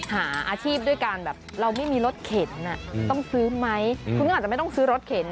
หาอาชีพด้วยการแบบเราไม่มีรถเข็นต้องซื้อไหมคุณก็อาจจะไม่ต้องซื้อรถเข็น